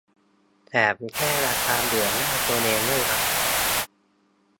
แถมแก้อาการเบื่อหน้าตัวเองด้วยนะ